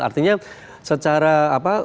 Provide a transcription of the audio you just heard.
artinya secara apa